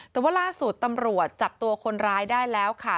แต่ว่าล่าสุดตำรวจจับตัวคนร้ายได้แล้วค่ะ